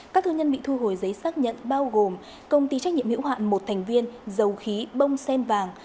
các thương nhân bị thu hồi giấy xác nhận bao gồm công ty trách nhiệm hữu hạn một thành viên dầu khí bông sen vàng